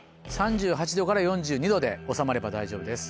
℃から４２℃で収まれば大丈夫です。